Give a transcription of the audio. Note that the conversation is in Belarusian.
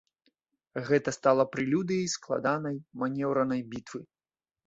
Гэта стала прэлюдыяй складанай манеўранай бітвы.